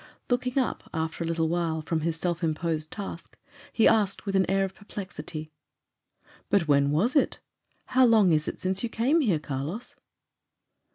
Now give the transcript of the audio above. Looking up, after a little while, from his self imposed task, he asked, with an air of perplexity, "But when was it? How long is it since you came here, Carlos?"